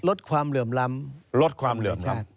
ลดความเหลื่อมล้ำลดความเหลื่อมล้ำ